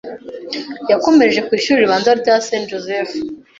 ya komereje ku ishuri ribanza rya St. Joseph